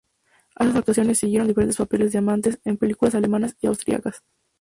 A estas actuaciones siguieron diferentes papales de amante en películas alemanas y austriacas.